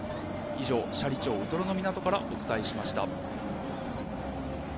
以上、斜里町ウトロの港からお伝えしました。